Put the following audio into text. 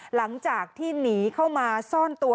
หลังจากที่หนีเข้ามาซ่อนตัว